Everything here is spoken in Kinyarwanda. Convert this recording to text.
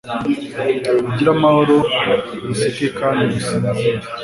Mugire amahoro museke kandi musinzire